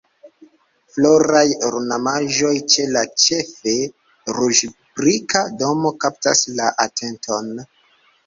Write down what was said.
Floraj ornamaĵoj ĉe la ĉefe ruĝ-brika domo kaptas la atenton.